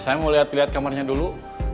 saya mau lihat lihat kamarnya dulu